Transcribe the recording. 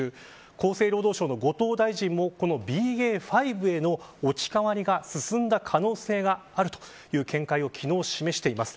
厚生労働省の、後藤大臣もＢＡ．５への置き換わりが進んだ可能性があるという見解を昨日示しています。